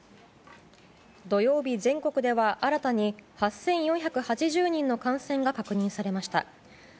土曜日、全国では新たに８４８０人の感染が確認されました。